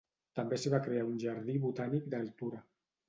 També s'hi va crear un jardí botànic d'altura.